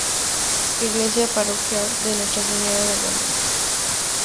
Iglesia parroquial de Nuestra Señora de la Lumbre.